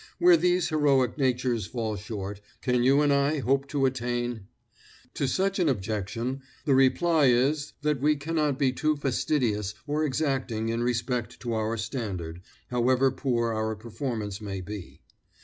Where these heroic natures fall short, can you and I hope to attain? To such an objection the reply is that we cannot be too fastidious or exacting in respect to our standard, however poor our performance may be.